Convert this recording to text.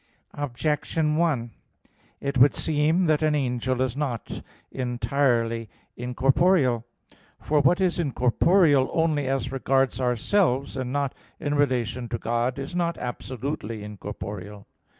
Objection 1: It would seem that an angel is not entirely incorporeal. For what is incorporeal only as regards ourselves, and not in relation to God, is not absolutely incorporeal.